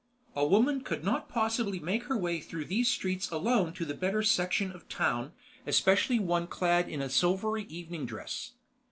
A woman could not possibly make her way through these streets alone to the better section of town, especially one clad in a silvery evening dress.